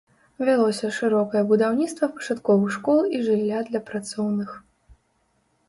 Вялося шырокае будаўніцтва пачатковых школ і жылля для працоўных.